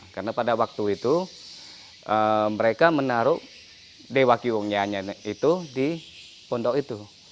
karena pada waktu itu mereka menaruh dewa kihiongnya itu di pondok itu